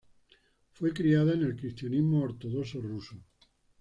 Fue criada en el cristianismo ortodoxo ruso.